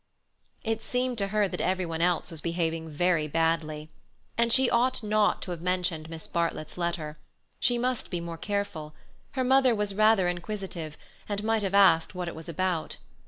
It seemed to her that everyone else was behaving very badly. And she ought not to have mentioned Miss Bartlett's letter. She must be more careful; her mother was rather inquisitive, and might have asked what it was about.